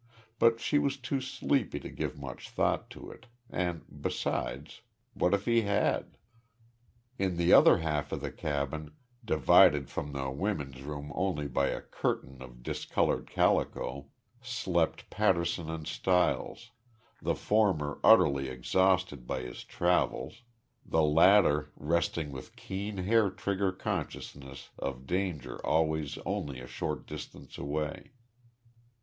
But she was too sleepy to give much thought to it, and, besides, what if he had?... In the other half of the cabin, divided from the women's room only by a curtain of discolored calico, slept Patterson and Stiles the former utterly exhausted by his travels, the latter resting with keen hair trigger consciousness of danger always only a short distance away.